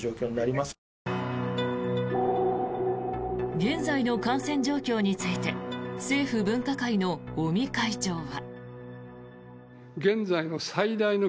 現在の感染状況について政府分科会の尾身会長は。